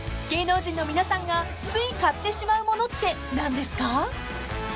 ［芸能人の皆さんがつい買ってしまうものって何ですか？］